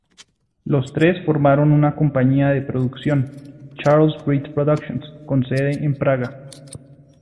Los tres formaron una compañía de producción, Charles Bridge Productions, con sede en Praga.